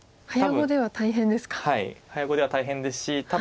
早碁では大変ですか。